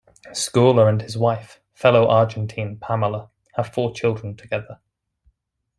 Scola and his wife, fellow Argentine Pamela, have four children together.